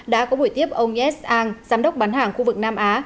đã có buổi tiếp ông yess ang giám đốc bán hàng khu vực nam á